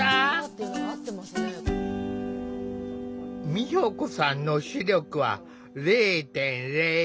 美保子さんの視力は０．０１。